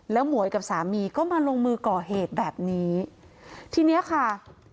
หมวยกับสามีก็มาลงมือก่อเหตุแบบนี้ทีเนี้ยค่ะ